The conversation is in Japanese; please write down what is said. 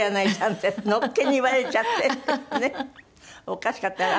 おかしかったね。